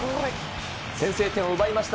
先制点を奪いました。